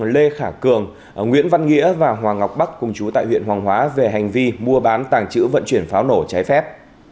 lê khả cường nguyễn văn nghĩa và hoàng ngọc bắc cùng chú tại huyện hoàng hóa về hành vi mua bán tàng trữ vận chuyển pháo nổ trái phép